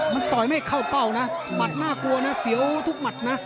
มันต่อยไม่เข้าเป้านะหมัดน่ากลัวนะเสียวทุกหมัดนะ